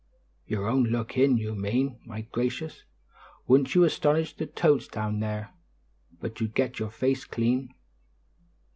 "Your own look in, you mean. My gracious, wouldn't you astonish the toads down there! But you'd get your face clean."